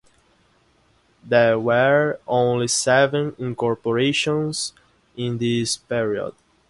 There were only seven incorporations in this period.